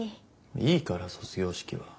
いいから卒業式は。